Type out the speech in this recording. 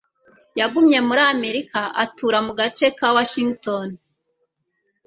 yagumye muri Amerika, atura mu gace ka Washington,